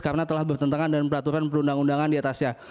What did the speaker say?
karena telah bertentangan dengan peraturan undang undangan diatasnya